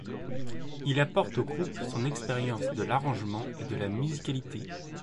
Il apporte au groupe son expérience de l'arrangement et de la musicalité.